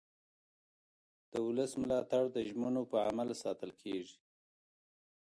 د ولس ملاتړ د ژمنو په عمل ساتل کېږي